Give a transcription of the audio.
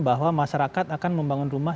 bahwa masyarakat akan membangun rumah